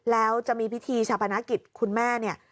แล้วจะมีพิธีชาปนกิจคุณแม่เนี่ย